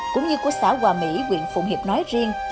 cũng như của xã hòa mỹ quyện phụng hiệp nói riêng